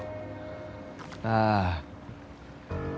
ああ。